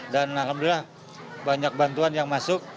dan alhamdulillah banyak bantuan yang masuk